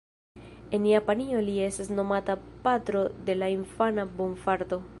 En Japanio li estas nomata "Patro dela Infana Bonfarto".